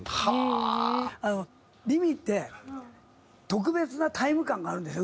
あのりみって特別なタイム感があるんですよ